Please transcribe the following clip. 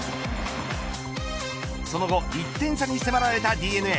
その後１点差に迫られたＤｅＮＡ